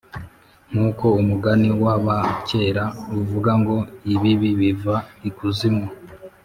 Nk uko umugani w abakera uvuga ngo Ibibi biva ikuzimu